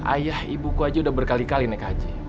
ayah ibuku aja udah berkali kali naik haji